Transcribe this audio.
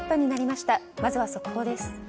まずは速報です。